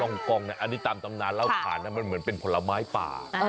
อันนี้ตามตำนานเล่าขานนะมันเหมือนเป็นผลไม้ป่า